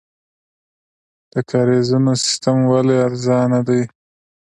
د کاریزونو سیستم ولې ارزانه دی؟